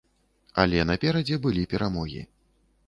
Але наперадзе былі перамогі.